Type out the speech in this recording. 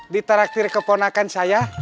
diteraktir ke ponakan saya